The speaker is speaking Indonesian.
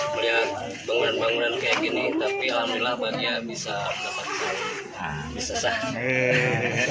melihat bangunan bangunan kayak gini tapi alhamdulillah bahagia bisa mendapatkan